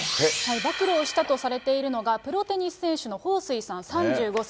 暴露をしたとされているのが、プロテニス選手の彭帥さん３５歳。